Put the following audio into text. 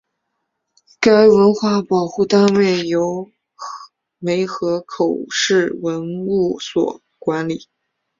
该文物保护单位由梅河口市文物所管理。